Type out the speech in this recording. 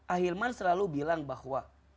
ahilman selalu bilang bahwa